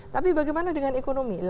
tapi bagaimana dengan ekonomi